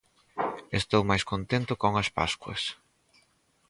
Estou máis contento ca unhas pascuas